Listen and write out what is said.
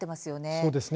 そうですね。